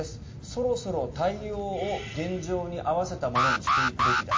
そろそろ対応を現状に合わせたものにしていくべきだ